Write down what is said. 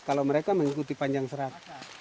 kalau mereka mengikuti panjang serat